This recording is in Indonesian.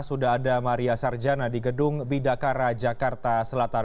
sudah ada maria sarjana di gedung bidakara jakarta selatan